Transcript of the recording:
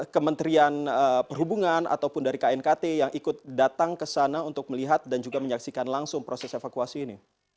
kementerian perhubungan ataupun dari knkt yang ikut datang ke sana untuk melihat dan juga menyaksikan langsung proses evakuasi ini